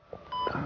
kamu sudah selesai